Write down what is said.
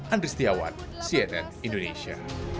andri setiawan cnn indonesia